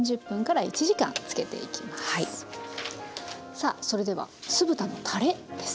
さあそれでは酢豚のたれです。